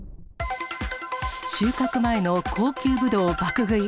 収穫前の高級ブドウ爆食い。